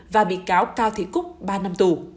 và bị cáo cao thí cúc ba năm tù